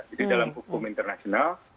jadi dalam hukum internasional